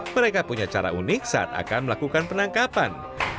mereka punya cara unik saat akan melakukan penangkapan